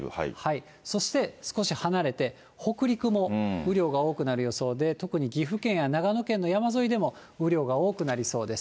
そして、少し離れて北陸も雨量が多くなる予想で、特に岐阜県や長野県の山沿いでも雨量が多くなりそうです。